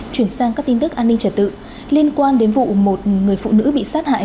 chuyển sang các tin tức an ninh trả tự liên quan đến vụ một người phụ nữ bị sát hại